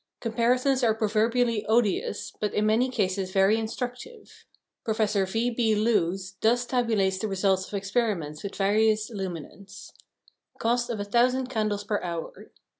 Comparisons are proverbially odious, but in many cases very instructive. Professor V. B. Lewes thus tabulates the results of experiments with various illuminants: _Cost of 1000 candles per hour.